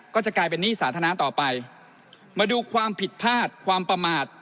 ก็จะกลายเป็นหนี้สาธารณะต่อไปมาดูความผิดพลาดความประมาท